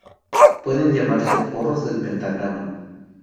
Pueden llamarse forros del pentagrama.